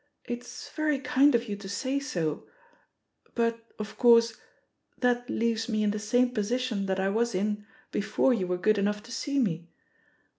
It's very kind of you to say so .•• but, of coiu*sej that leaves me in the same position that I was in before you were good enough to see me.